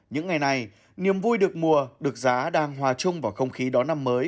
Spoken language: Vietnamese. những ngày này niềm vui được mùa được giá đang hòa chung vào không khí đón năm mới